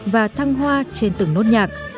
và thăng hoa trên từng nốt nhạc